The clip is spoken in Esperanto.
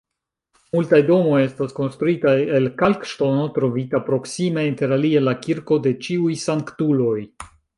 Multaj domoj estas konstruitaj el kalkŝtono, trovita proksime, interalie la kirko de ĉiuj sanktuloj.